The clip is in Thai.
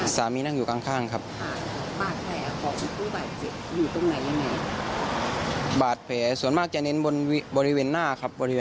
นั่งอยู่ข้างครับ